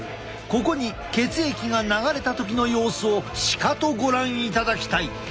ここに血液が流れた時の様子をしかとご覧いただきたい。